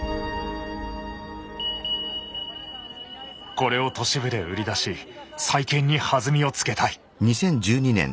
これを都市部で売り出し再建に弾みをつけたい。